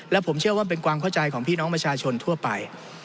และผมเชื่อว่าเป็นความเข้าใจของพี่น้องประชาชนทั่วไป